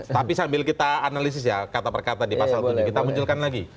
tapi sambil kita analisis ya kata perkata di pasal tujuh kita munculkan lagi